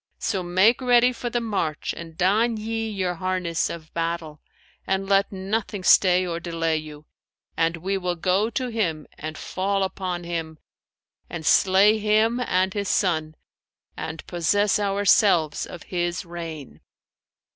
So make ready for the march and don ye your harness of battle; and let nothing stay or delay you, and we will go to him and fall upon him and slay him and his son, and possess ourselves of his reign.'"